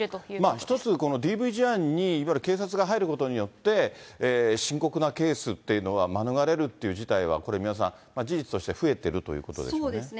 １つこの、ＤＶ事案に、いわゆる警察が入ることによって、深刻なケースっていうのは免れるという事態は、これ三輪さん、事実として増えてるということですかね。